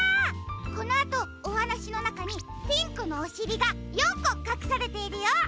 このあとおはなしのなかにピンクのおしりが４こかくされているよ。